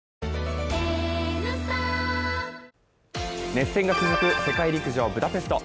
熱戦が続く世界陸上ブダペスト。